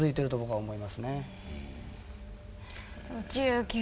はい。